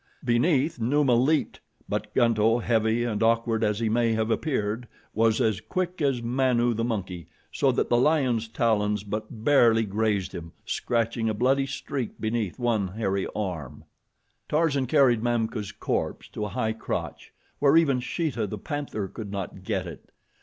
Beneath, Numa leaped; but Gunto, heavy and awkward as he may have appeared, was as quick as Manu, the monkey, so that the lion's talons but barely grazed him, scratching a bloody streak beneath one hairy arm. Tarzan carried Mamka's corpse to a high crotch, where even Sheeta, the panther, could not get it.